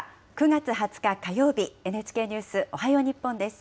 ９月２０日火曜日、ＮＨＫニュースおはよう日本です。